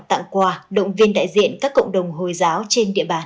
tặng quà động viên đại diện các cộng đồng hồi giáo trên địa bàn